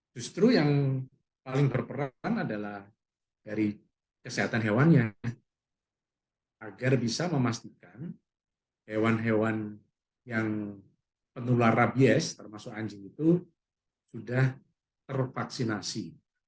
justru yang paling berperan adalah dari kesehatan hewannya agar bisa memastikan hewan hewan yang penular rabies termasuk anjing itu sudah tervaksinasi